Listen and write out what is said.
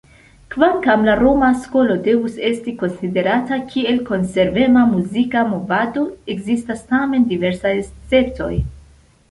Kvankam la "Roma Skolo" devus esti konsiderata kiel konservema muzika movado, ekzistas tamen diversaj esceptoj.